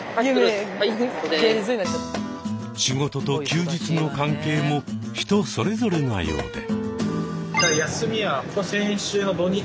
仕事と休日の関係も人それぞれなようで。